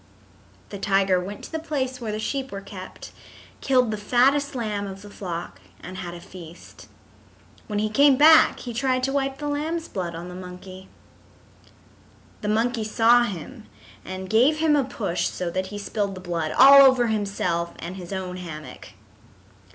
The tiger went to the place where the sheep were kept, killed the fattest lamb of the flock and had a feast. When he came back he tried to wipe the lamb's blood on the monkey. The monkey saw him and gave him a push so that he spilled the blood all over himself and his own hammock.